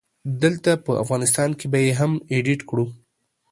دلته په افغانستان کې به يې هم اډيټ کړو